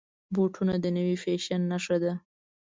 بوټونه د نوي فیشن نښه ده.